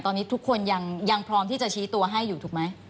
ตอนนี้ทุกคนยังพร้อมที่จะชี้ตัวให้อยู่ถูกไหม